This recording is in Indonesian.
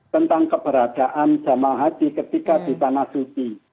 tentang keberadaan jamaah haji ketika di tanah suci